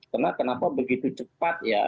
karena kenapa begitu cepat ya